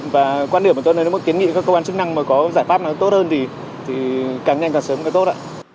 và quan điểm của tôi kiến nghị các cơ quan chức năng mà có giải pháp nào tốt hơn thì càng nhanh càng sớm càng tốt ạ